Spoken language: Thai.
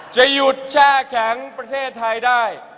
จะหยุดแช่แข็งประเทศไทยได้